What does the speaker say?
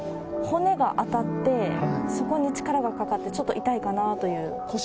骨が当たって、そこに力がかかって、ちょっと痛いかなという。